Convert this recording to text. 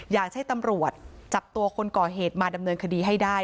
อยากให้ตำรวจจับตัวคนก่อเหตุมาดำเนินคดีให้ได้